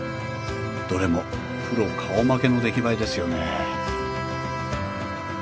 どれもプロ顔負けの出来栄えですよね